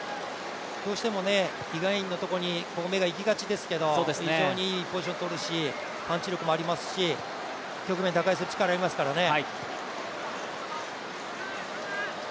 どうしてもイ・ガンインのところに目がいきがちですけど非常にいいポジションをとるし、パンチ力もありますし、局面打開する力がありますからね。